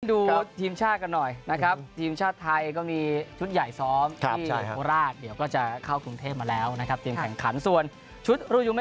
ดูทีมชาติกันหน่อยนะครับทีมชาติไทยก็มีชุดใหญ่ซ้อม